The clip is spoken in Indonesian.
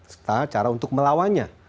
setelah cara untuk melawannya